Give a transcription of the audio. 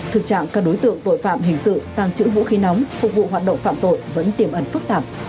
thực trạng các đối tượng tội phạm hình sự tàng trữ vũ khí nóng phục vụ hoạt động phạm tội vẫn tiềm ẩn phức tạp